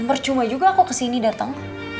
yang percuma juga aku kesini dateng